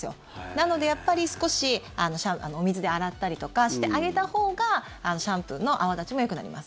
なのでやっぱり少しお水で洗ったりとかしてあげたほうがシャンプーの泡立ちもよくなります。